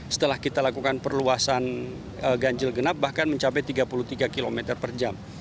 setelah kita lakukan perluasan ganjil genap bahkan mencapai tiga puluh tiga km per jam